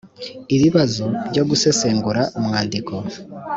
ibibazo byo gusesengura umwandiko